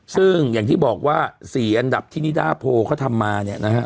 ซึ่งอย่างที่บอกว่า๔อันดับที่นิดาโพเขาทำมาเนี่ยนะฮะ